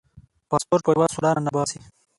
پاسپورټ په یوه سوړه ننباسي.